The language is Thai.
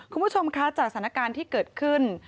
คุณผู้ชมคะจากสถานการณ์ที่เกิดขึ้น